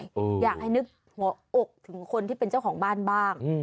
อยากให้นึกหัวอกถึงคนที่เป็นเจ้าของบ้านบ้างอืม